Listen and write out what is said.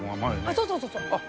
そうそうそうそう。